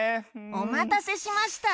おまたせしました。